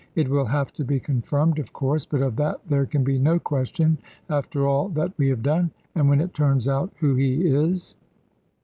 It will have to be confirmed, of course; but of that there can be no question, after all that we have done; and when it turns out who he is."